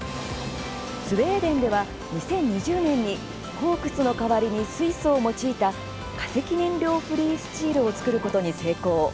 スウェーデンでは、２０２０年にコークスの代わりに水素を用いた化石燃料フリースチールを作ることに成功。